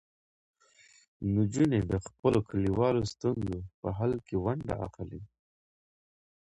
نجونې د خپلو کلیوالو ستونزو په حل کې ونډه اخلي.